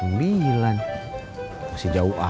masih jauh ah